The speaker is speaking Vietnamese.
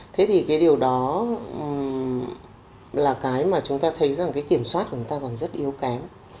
thế thì điều đó là cái mà chúng ta thấy kiểm soát của chúng ta còn rất yếu kém